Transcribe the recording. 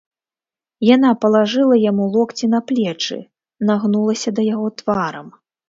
Яна палажыла яму локці на плечы, нагнулася да яго тварам.